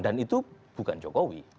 dan itu bukan jokowi